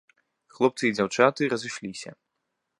Хлопцы і дзяўчаты разышліся.